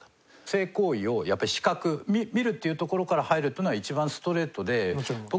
性行為をやっぱり視覚見るっていうところから入るっていうのは一番ストレートで僕は一番近道だと思うので。